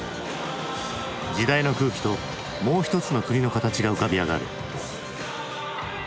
時代の空気ともう一つの国の形が浮かび上がる。